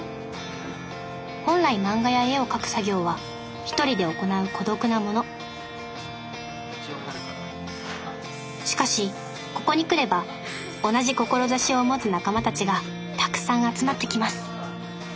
本来漫画や絵を描く作業は一人で行う孤独なものしかしここに来れば同じ志を持つ仲間たちがたくさん集まってきます